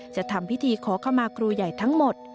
จะทำพิธีขอขมาครูใหญ่ทั้งหมด